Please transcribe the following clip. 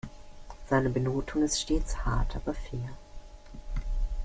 Seine Benotung ist stets hart aber fair.